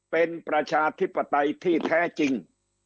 เป็นประชาธิปไตยที่แท้จริง